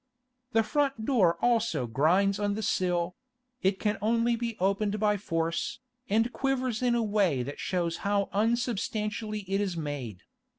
The front door also grinds on the sill; it can only be opened by force, and quivers in a way that shows how unsubstantially it is made.